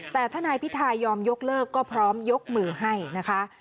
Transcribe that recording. แต่ถ้านายพิทายอมยกเลิกก็พร้อมยกมือให้นะคะ